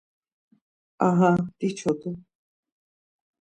Aha, diçodu!